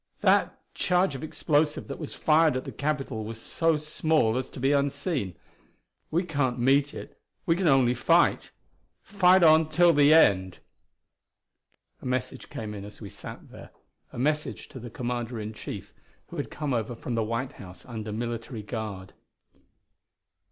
That charge of explosive that was fired at the Capitol was so small as to be unseen. We can't meet it; we can only fight. Fight on till the end." A message came in as we sat there, a message to the Commander in Chief who had come over from the White House under military guard.